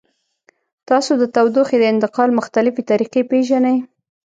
تاسو د تودوخې د انتقال مختلفې طریقې پیژنئ؟